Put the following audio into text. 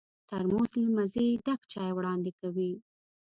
ترموز له مزې ډک چای وړاندې کوي.